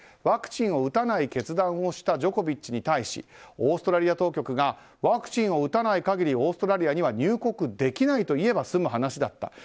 ワクチンを打たない決断をしたジョコビッチに対しオーストラリア当局がワクチンを打たない限りオーストラリアには入国できないと言えば済む話だった。